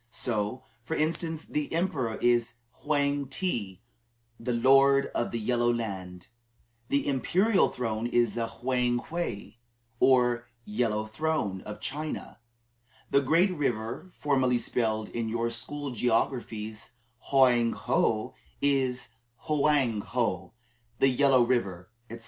So, for instance, the emperor is "Hwang ti" the "Lord of the Yellow Land"; the imperial throne is the "Hwang wei" or "yellow throne" of China; the great river, formerly spelled in your school geographies Hoang ho, is "Hwang ho," the "yellow river," etc.